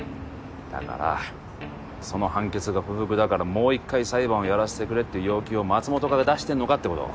だからその判決が不服だからもう１回裁判をやらせてくれっていう要求を松本側が出してんのかってこと。